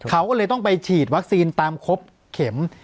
เขาก็เลยต้องไปฉีดวัคซีนตามครบเข็ม